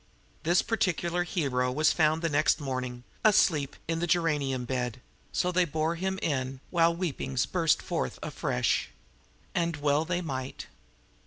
This particular hero was found next morning, asleep, in the geranium bed; so they bore him in, while weepings burst forth afresh. And well they might.